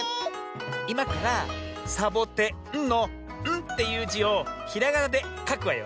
いまからさぼてんの「ん」っていう「じ」をひらがなでかくわよ。